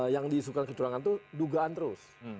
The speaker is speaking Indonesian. yang diisukan kecurangan itu dugaan terus